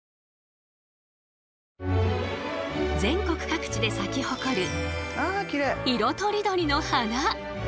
全国各地で咲き誇る色とりどりの花。